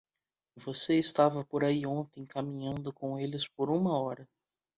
Você estava por aí ontem caminhando com eles por uma hora.